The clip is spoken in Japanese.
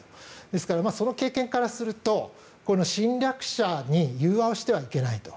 ですから、その経験からすると侵略者に融和してはいけないと。